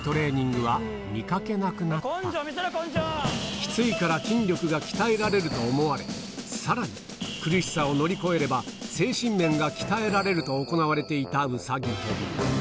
きついから筋力が鍛えられると思われ、さらに、苦しさを乗り越えれば、精神面が鍛えられると行われていたうさぎ跳び。